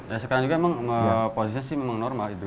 ya sekarang juga posisi memang normal